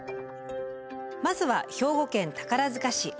まずは兵庫県宝市。